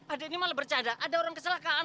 adek ini malah bercanda ada orang keselakaan